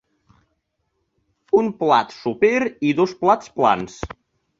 Un plat soper i dos plats plans.